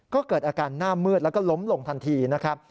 ก็เกิดอาการหน้ามืดแล้วก็ล้มลงทันทีนะครับ